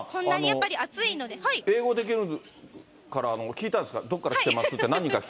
英語できるから、聞いたんですか、どこから来てます？